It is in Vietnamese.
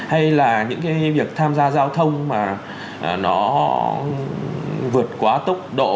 hay là những cái việc tham gia giao thông mà nó vượt quá tốc độ